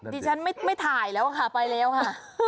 ดิฉันไม่ถ่ายแล้วค่ะไปแล้วค่ะ